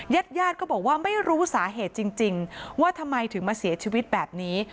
ญาติญาติก็บอกว่าไม่รู้สาเหตุจริงว่าทำไมถึงมาเสียชีวิตแบบนี้